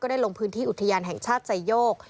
ได้ลงพื้นที่อุทยานแห่งชาติไซโยก